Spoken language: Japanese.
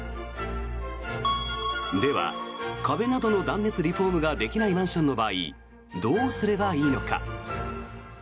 では、壁などの断熱リフォームができないマンションなどの場合どうすればいいのか。